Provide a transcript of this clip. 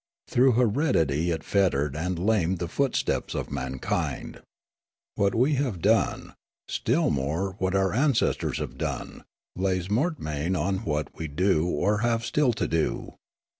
Through heredity it fettered and lamed the footsteps of mankind. What we have done, still more what our ancestors have done, laj's mortmain on what we do or have still to do.